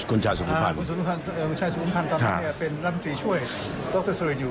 คุณชายสุภุพรรณคุณชายสุภุพรรณตอนนี้เนี่ยเป็นรับมือช่วยดรซุรินทร์อยู่